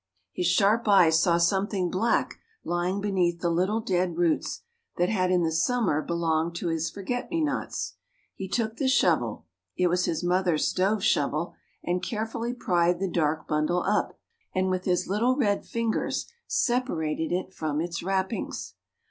His sharp eyes saw something black lying beneath the little dead roots that had in the summer belonged to his forget me nots. He took the shovel it was his mother's stove shovel and carefully pried the dark bundle up, and with his little red fingers separated it from its wrappings.